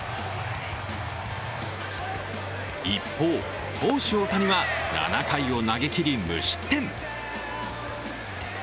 一方、投手・大谷は７回を投げきり無失点。